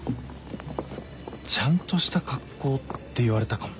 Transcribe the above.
ちゃんとした格好って言われたかも。